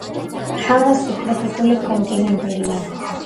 ჰავა სუბტროპიკული კონტინენტურია.